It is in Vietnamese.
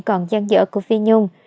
còn gian dở của phi nhung